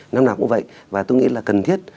năm nào cũng vậy và tôi nghĩ là cần thiết